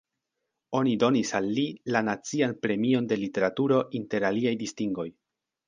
Oni donis al li la Nacian Premion de Literaturo inter aliaj distingoj.